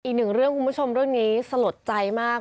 อีกหนึ่งเรื่องคุณผู้ชมเรื่องนี้สลดใจมาก